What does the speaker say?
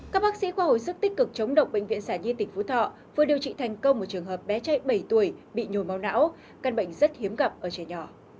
các bác sĩ khoa hồi sức tích cực chống độc bệnh viện sản di tỉnh phú thọ vừa điều trị thành công một trường hợp bé trai bảy tuổi bị nhồi máu não căn bệnh rất hiếm gặp ở trẻ nhỏ